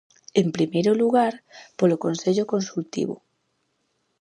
En primeiro lugar, polo Consello Consultivo.